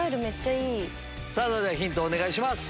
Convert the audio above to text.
それではヒントをお願いします。